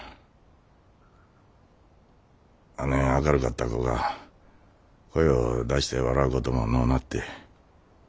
あねん明るかった子が声う出して笑うことものうなって。